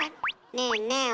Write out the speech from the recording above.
ねえねえ